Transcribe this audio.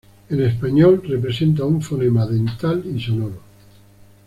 En español, representa un fonema dental y sonoro.